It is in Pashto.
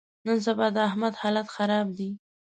نن سبا د احمد حالت خراب دی.